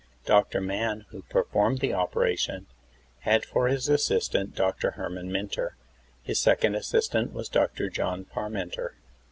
Dr. Mann, who performed the operation, had for his first assistant Dr. Herman Mynter. His second assistant was Dr. John Parmenter.